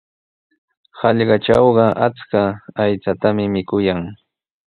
Hallqatrawqa achka aychatami mikuyan.